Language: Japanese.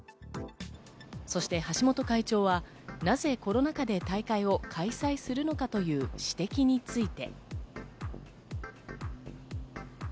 そして橋本会長はなぜコロナ禍で大会を開催するのかという指摘について。